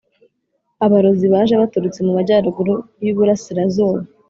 aborozi baje baturutse mu Majyaruguru y Uburasirazuba